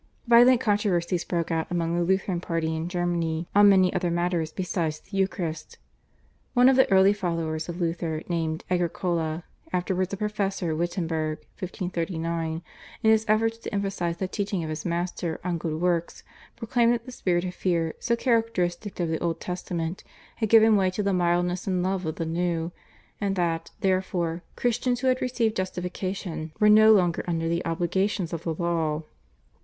Violent controversies broke out among the Lutheran party in Germany on many other matters besides the Eucharist. One of the early followers of Luther named Agricola, afterwards a professor of Wittenberg (1539), in his efforts to emphasise the teaching of his master on good works proclaimed that the spirit of fear so characteristic of the Old Testament had given way to the mildness and love of the New, and that, therefore, Christians who had received justification were no longer under the obligations of the law.